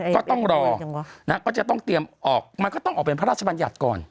ก็ต้องรอก็จะต้องเตรียมออกมันก็ต้องออกเป็นพระราชบัญญัติก่อน